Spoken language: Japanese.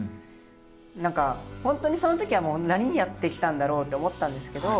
何かホントにそのときは何やってきたんだろうって思ったんですけど。